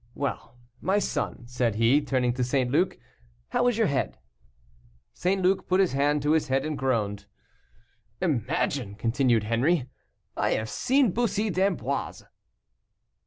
Well, my son," said he, turning to St. Luc, "how is your head?" St. Luc put his hand to his head and groaned. "Imagine!" continued Henri, "I have seen Bussy d'Amboise."